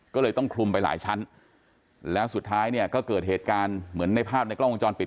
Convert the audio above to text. ก็เลยต้องคลุมไปหลายชั้นแล้วสุดท้ายเนี่ยก็เกิดเหตุการณ์เหมือนในภาพในกล้องวงจรปิด